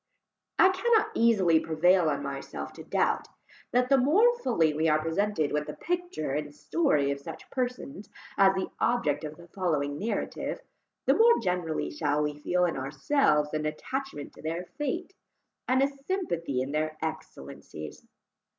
I cannot easily prevail on myself to doubt, that the more fully we are presented with the picture and story of such persons as the subject of the following narrative, the more generally shall we feel in ourselves an attachment to their fate, and a sympathy in their excellencies.